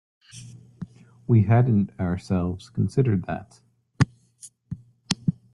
We hadn't, ourselves, considered that.